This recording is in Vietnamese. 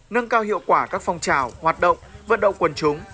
nâng cao hiệu quả các phong trào hoạt động vận động quần chúng